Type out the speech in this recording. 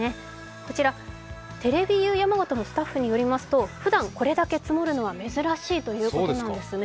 こちら、テレビユー山形のスタッフによりますとふだんこれだけ積もるのは珍しいということなんですね。